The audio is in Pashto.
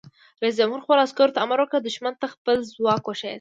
رئیس جمهور خپلو عسکرو ته امر وکړ؛ دښمن ته خپل ځواک وښایئ!